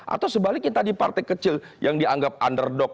atau sebaliknya tadi partai kecil yang dianggap underdog